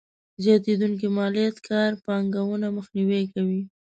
زياتېدونکې ماليات کار پانګونه مخنیوی کوي.